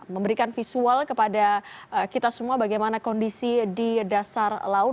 memberikan visual kepada kita semua bagaimana kondisi di dasar laut